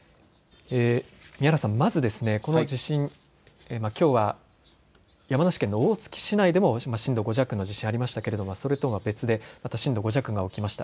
宮原、まずこの地震、きょう山梨県の大月市内でも震度５弱の地震がありましたけれどもそれとは別で震度５弱が起きました。